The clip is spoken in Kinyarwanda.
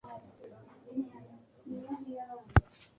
ngenzi ntiyigeze yumva mariya cyane